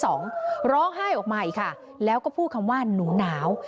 ร้องไห้ออกมาอีกค่ะแล้วก็พูดคำว่าหนูหนาว